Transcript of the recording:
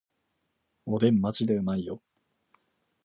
おでんマジでうまいよ